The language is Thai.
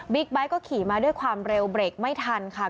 ไบท์ก็ขี่มาด้วยความเร็วเบรกไม่ทันค่ะ